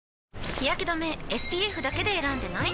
日やけ止めＳＰＦだけで選んでない？